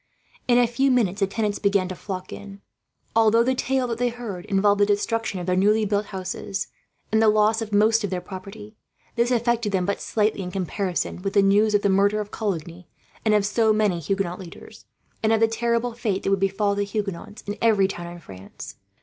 In a few minutes the tenants began to flock in. Although the tale that they heard involved the destruction of their newly built houses, and the loss of most of their property, this affected them but slightly in comparison with the news of the murder of Coligny, and of so many Huguenot leaders; and of the terrible fate that would befall the Huguenots, in every town in France.